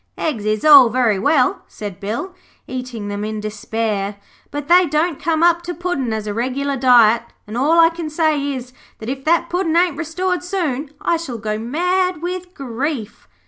'Eggs is all very well,' said Bill, eating them in despair, 'but they don't come up to Puddin' as a regular diet, and all I can say is, that if that Puddin' ain't restored soon I shall go mad with grief.'